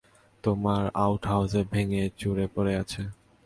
তোমার আউটহাউসে ভেঙে চুরে পরে আছে।